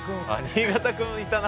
新潟くんいたな。